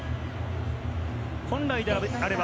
本来であれば。